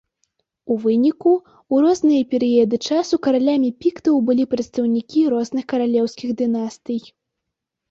У выніку, у розныя перыяды часу каралямі піктаў былі прадстаўнікі розных каралеўскіх дынастый.